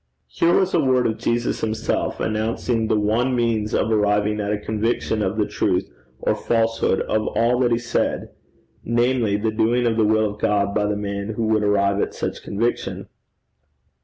Here was a word of Jesus himself, announcing the one means of arriving at a conviction of the truth or falsehood of all that he said, namely, the doing of the will of God by the man who would arrive at such conviction.